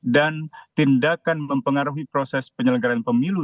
dan tindakan mempengaruhi proses penyelenggaran pemilu